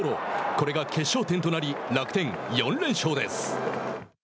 これが決勝点となり楽天、４連勝です。